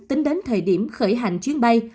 tính đến thời điểm khởi hành chuyến bay